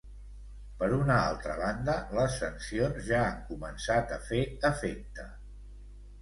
Per una altra banda, les sancions ja han començat a fer efecte.